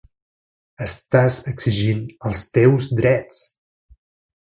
Estàs exigint els teus drets.